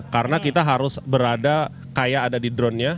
karena kita harus berada kayak ada di dronenya